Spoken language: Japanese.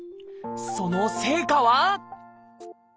その成果は？